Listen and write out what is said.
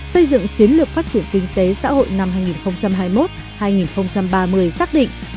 xây dựng chiến lược phát triển kinh tế xã hội năm hai nghìn hai mươi một hai nghìn ba mươi xác định